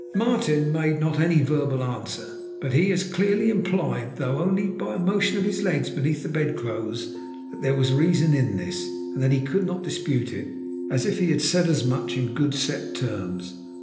Martin made not any verbal answer; but he as clearly implied though only by a motion of his legs beneath the bed clothes, that there was reason in this, and that he could not dispute it, as if he had said as much in good set terms.